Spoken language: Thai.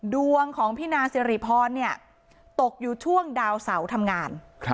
ดวงของพี่นางสิริพรตกอยู่ช่วงดาวเสาทำงาน